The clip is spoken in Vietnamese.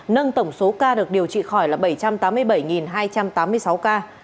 nâng tổng số ca được điều trị khỏi là bảy trăm tám mươi bảy hai trăm tám mươi sáu ca